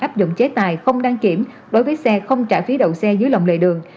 áp dụng chế tài không đăng kiểm đối với xe không trả phí đậu xe dưới lòng lề đường